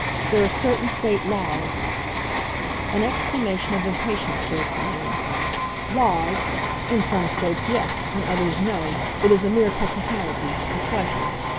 There are certain state laws " An exclamation of impatience broke from him. "Laws! In some states, yes. In others, no. It is a mere technicality a trifle!